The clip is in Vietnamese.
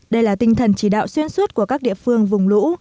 đây là tinh thần chỉ đạo xuyên suốt của các địa phương vùng lũ